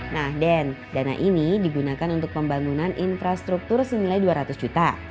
nah den dana ini digunakan untuk pembangunan infrastruktur senilai dua ratus juta